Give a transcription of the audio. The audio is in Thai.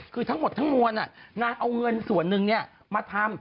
คือทั้งหมดทั้งมวลนางเอาเงินส่วนหนึ่งมาทำ